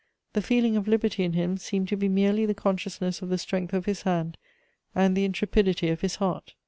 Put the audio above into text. The feeling of liberty in him seemed to be merely the consciousness of the strength of his hand and the intrepidity of his heart.